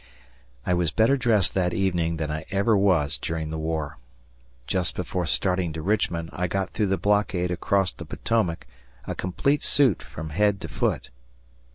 I was better dressed that evening than I ever was during the war. Just before starting to Richmond I got through the blockade across the Potomac a complete suit from head to foot.